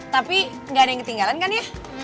tapi nggak ada yang ketinggalan kan ya